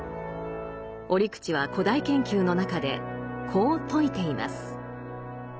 折口は「古代研究」の中でこう説いています。